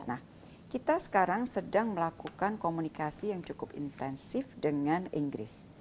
nah kita sekarang sedang melakukan komunikasi yang cukup intensif dengan inggris